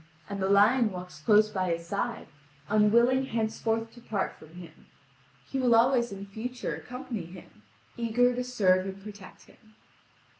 And the lion walks close by his side, unwilling henceforth to part from him: he will always in future accompany him, eager to serve and protect him.